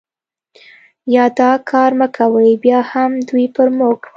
یا دا کار مه کوه، بیا هم دوی پر موږ.